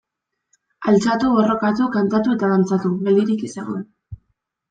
Altxatu, borrokatu, kantatu eta dantzatu, geldirik ez egon.